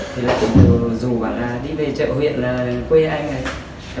thì lại cũng rủ bảo là đi về chợ huyện là quê anh ấy